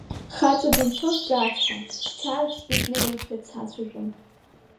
Хаҵа банцо сзаацҳа, бчараҿ сбызнеиуеит ҳәа дсацәажәон.